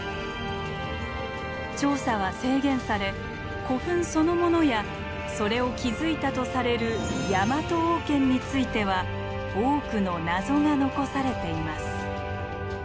調査は制限され古墳そのものやそれを築いたとされるヤマト王権については多くの謎が残されています。